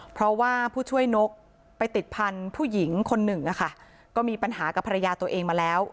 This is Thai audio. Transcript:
เพราะว่าผู้ช่วยนกไปติดพันธุ์ผู้หญิงคนหนึ่งนะคะก็มีปัญหากับภรรยาตัวเองมาแล้ว